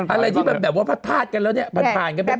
อะไรที่มันพันคนแล้วมันผ่านแล้ว